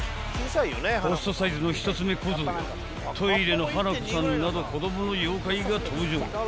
［ポストサイズの一つ目小僧やトイレの花子さんなど子供の妖怪が登場］